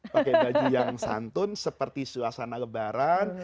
pakai baju yang santun seperti suasana lebaran